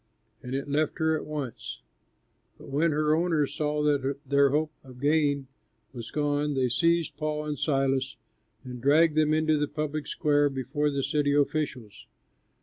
And it left her at once. But when her owners saw that their hope of gain was gone, they seized Paul and Silas and dragged them into the public square before the city officials.